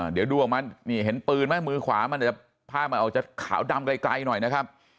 เดี๋ยวดูออกมานี่เห็นปืนไหมมือขวามันจะภาพมันออกจะขาวดำไกลหน่อยนะครับ